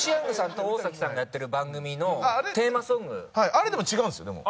あれ違うんですよでも。